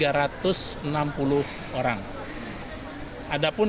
ada pun yang berpengalaman